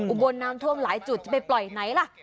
บนน้ำท่วมหลายจุดจะไปปล่อยไหนล่ะ